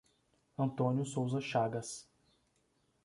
Antônio Souza Chagas